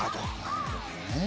なるほどね。